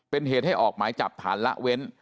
เป็นเหตุให้ออกหมายจับฐานละเว้น